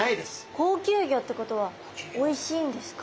高級魚ってことはおいしいんですか？